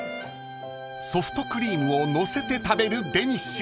［ソフトクリームをのせて食べるデニッシュ］